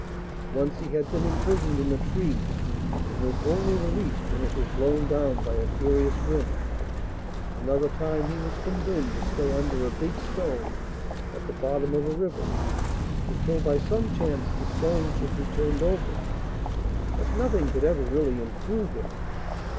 Once he had been imprisoned in a tree, and was only released when it was blown down by a furious wind; another time he was condemned to stay under a big stone at the bottom of a river, until by some chance the stone should be turned over; but nothing could ever really improve him.